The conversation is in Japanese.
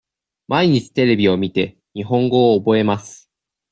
毎日テレビを見て、日本語を覚えます。